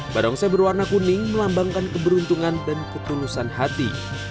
barongsai berwarna kuning melambangkan keberuntungan dan ketulusan hati